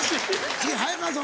次早川さん